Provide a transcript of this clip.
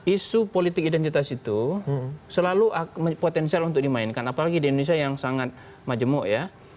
isu politik identitas itu selalu potensial untuk dimainkan apalagi di indonesia yang sangat majemuk ya